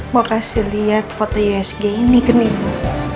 mau kasih lihat foto usg ini ke nini